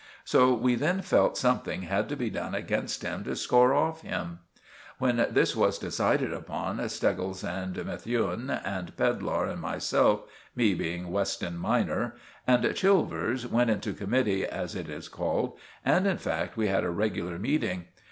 So we then felt something had to be done against him to score off him. When this was decided upon, Steggles and Methuen and Pedlar and myself—me being Weston minor—and Chilvers went into committee, as it is called, and in fact we had a regular meeting.